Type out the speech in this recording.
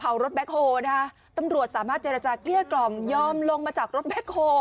รถแบ็คโฮลนะฮะตำรวจสามารถเจรจาเกลี้ยกล่อมยอมลงมาจากรถแบ็คโฮ